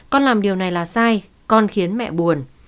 con làm điều này là sai con khiến mẹ buồn